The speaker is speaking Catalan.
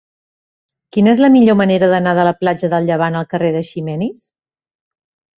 Quina és la millor manera d'anar de la platja del Llevant al carrer d'Eiximenis?